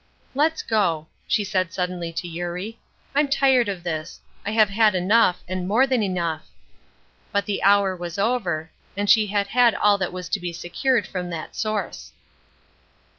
"Let's go," she said suddenly to Eurie. "I am tired of this; I have had enough, and more than enough." But the hour was over, and she had had all that was to be secured from that source.